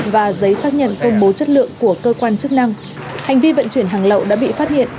và giấy xác nhận công bố chất lượng của cơ quan chức năng hành vi vận chuyển hàng lậu đã bị phát hiện